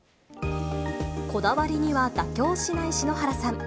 こだわりには妥協しない篠原さん。